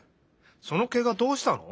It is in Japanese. そのケガどうしたの？